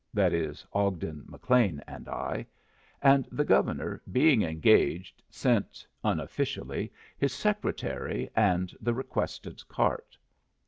That is, Ogden, McLean, and I; and the Governor, being engaged, sent (unofficially) his secretary and the requested cart.